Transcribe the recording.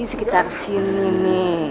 di sekitar sini nih